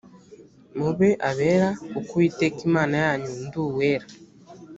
mube abera kuko uwiteka imana yanyu ndi uwera